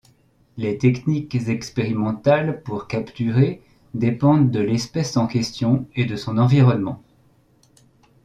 Les techniques expérimentales, pour capturer, dépendent de l’espèce en question et de son environnement.